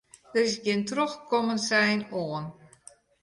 Der is gjin trochkommensein oan.